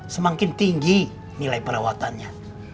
semakin tinggi nilai perawatannya